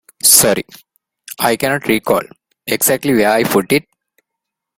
Sorry I cannot recall exactly where I put it.